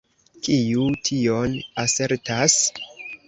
Kiu tion asertas?